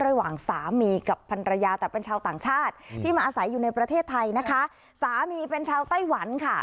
ระหว่างสามีกับพันรยาแต่เป็นชาวต่างชาติที่มาอาศัยอยู่ในประเทศไทยนะคะสามีเป็นชาวไต้หวันค่ะ